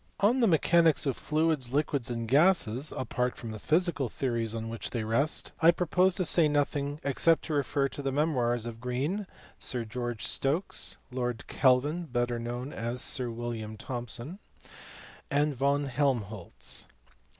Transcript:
On the mechanics of fluids, liquids, and gases, apart from the physical theories on which they rest, I propose to say nothing, except to refer to the memoirs of Green, Sir George Stokes, Lord Kelvin (better known as Sir William Thomson), and von Helmholtz.